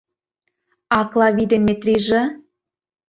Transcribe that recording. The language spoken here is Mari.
А Клави ден Метриже?